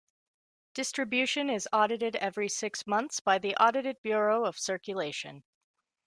Distribution is audited every six months by the Audited Bureau of Circulation.